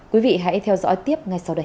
quý vị hãy theo dõi tiếp ngay sau đây